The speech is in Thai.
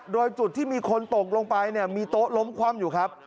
โดยจุดที่มีคนตกลงไปมีโต๊ะล้มคว่ำอยู่ครับ